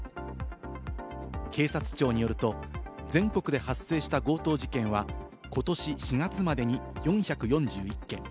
警察庁によると、全国で発生した強盗事件は、ことし４月までに４４１件。